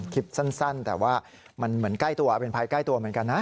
คลิปสั้นแต่ว่ามันเหมือนใกล้ตัวเป็นภัยใกล้ตัวเหมือนกันนะ